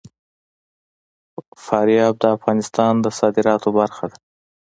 فاریاب د افغانستان د صادراتو برخه ده.